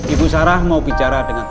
ibu sarah mau bicara dengan